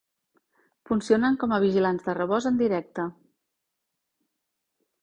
Funcionen com a vigilants de rebost en directe.